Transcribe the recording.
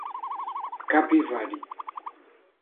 Capivari